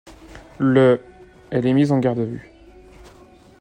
Le elle est mise en garde à vue.